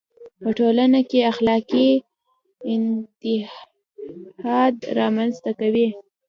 په ټولنه کې اخلاقي انحطاط را منځ ته کوي.